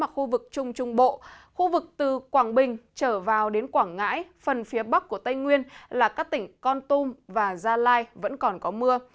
khu vực từ quảng bình trở vào đến quảng ngãi phần phía bắc của tây nguyên là các tỉnh con tum và gia lai vẫn còn có mưa